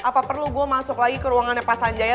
apa perlu gue masuk lagi ke ruangannya pak sanjaya